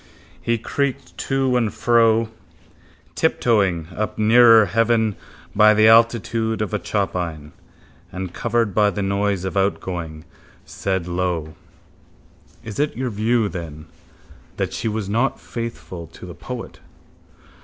He creaked to and fro, tiptoing up nearer heaven by the altitude of a chopine, and, covered by the noise of outgoing, said low: —Is it your view, then, that she was not faithful to the poet?